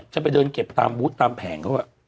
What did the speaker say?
ก็จะไปเดินเก็บตามพูดตามแผงเขาอ่ะ